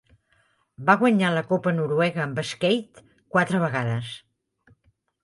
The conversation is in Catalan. Va guanyar la copa noruega amb Skeid quatre vegades.